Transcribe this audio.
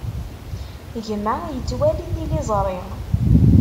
Gma yettwali tiliẓri.